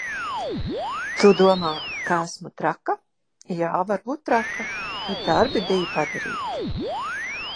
Tu domā, ka esmu traka? Jā, varbūt traka, bet darbi bija padarīti.